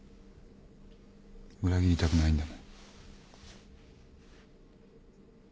裏切りたくないんだもん。